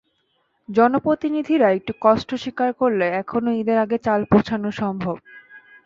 জনপ্রতিনিধিরা একটু কষ্ট স্বীকার করলে এখনো ঈদের আগে চাল পৌঁছানো সম্ভব।